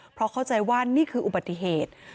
เพราะเข้าใจว่านี่คืออุบัติเหตุ